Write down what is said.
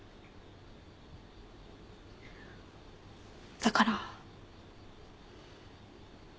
だから。